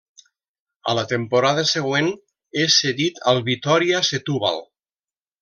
A la temporada següent és cedit al Vitória Setúbal.